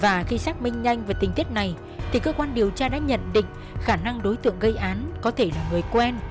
và khi xác minh nhanh về tình tiết này thì cơ quan điều tra đã nhận định khả năng đối tượng gây án có thể là người quen